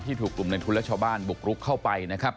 ถูกกลุ่มในทุนและชาวบ้านบุกรุกเข้าไปนะครับ